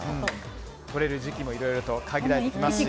とれる時期もいろいろと限られてきますし。